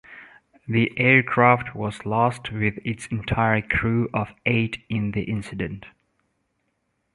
The aircraft was lost with its entire crew of eight in the incident.